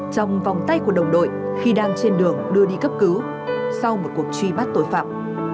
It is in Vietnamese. trong vòng tay của đồng đội khi đang trên đường đưa đi cấp cứu sau một cuộc truy bắt tội phạm